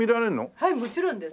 はいもちろんです。